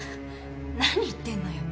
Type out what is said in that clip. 何言ってんのよ。